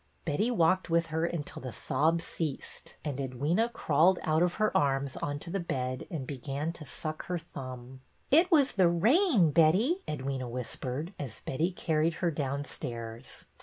Betty walked with her until the sobs ceased, and Edwyna crawled out of her arms onto the bed and began to suck her thumb. It was the rain, Betty," Edwyna whispered, as Betty carried her downstairs.